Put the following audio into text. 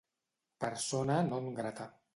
Persona non grata.